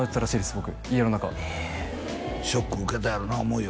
僕家の中ショック受けたやろな思うよ